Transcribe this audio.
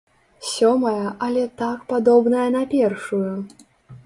Сёмая, але так падобная на першую.